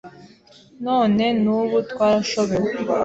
None n'ubu twarashobewe.